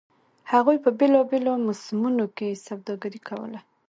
هغوی په بېلابېلو موسمونو کې سوداګري کوله